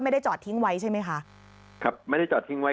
จอดทิ้งไว้ใช่ไหมคะครับไม่ได้จอดทิ้งไว้